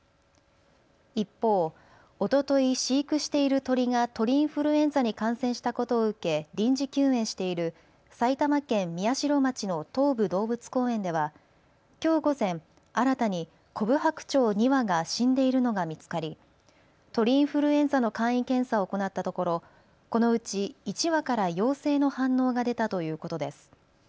一方、おととい飼育している鳥が鳥インフルエンザに感染したことを受け臨時休園している埼玉県宮代町の東武動物公園ではきょう午前、新たにコブハクチョウ２羽が死んでいるのが見つかり鳥インフルエンザの簡易検査を行ったところ、このうち１羽から陽性の反応が出たということです。